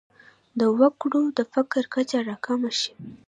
د وګړو د فقر کچه راکمه شي.